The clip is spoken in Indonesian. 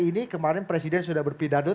ini kemarin presiden sudah berpidadut